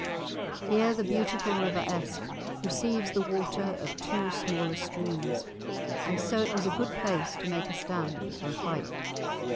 Here the beautiful river Esk receives the water of two smaller streams, and so it was a good place to make a stand for a fight.